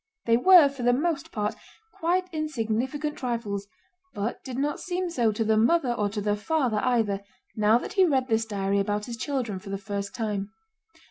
They were for the most part quite insignificant trifles, but did not seem so to the mother or to the father either, now that he read this diary about his children for the first time.